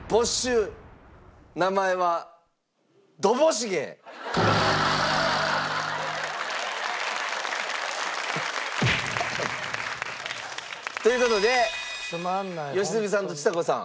名前はドボ茂！という事で良純さんとちさ子さん